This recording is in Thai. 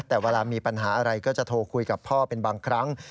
แต่เวลามีปัญหาอะไรก็จะโทรคุยกับพ่อเป็นบางครั้ง